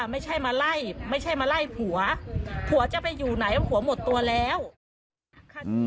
ไม่ใช่มาไล่ไม่ใช่มาไล่ผัวผัวจะไปอยู่ไหน